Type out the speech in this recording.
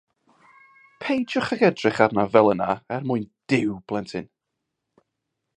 Peidiwch ag edrych arnaf fel yna, er mwyn Duw, blentyn!